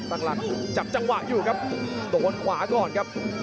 พยายามจะตีจิ๊กเข้าที่ประเภทหน้าขาครับ